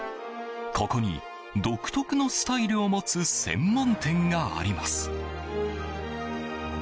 ここに独特のスタイルを持つ専門店があります。